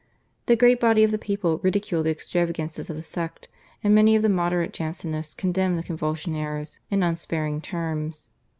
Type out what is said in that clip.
The great body of the people ridiculed the extravagances of the sect, and many of the moderate Jansenists condemned the /Convulsionnaires/ in unsparing terms.